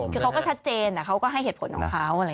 คือเขาก็ชัดเจนเขาก็ให้เหตุผลของเขา